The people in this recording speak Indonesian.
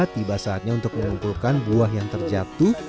tiba saatnya untuk mengumpulkan buah yang terjatuh